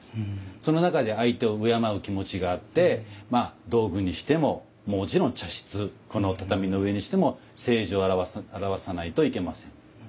その中で相手を敬う気持ちがあって道具にしてももちろん茶室この畳の上にしても清浄を表さないといけません。